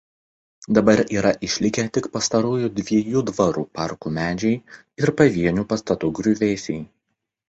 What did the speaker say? Dabar yra išlikę tik pastarųjų dviejų dvarų parkų medžiai ir pavienių pastatų griuvėsiai.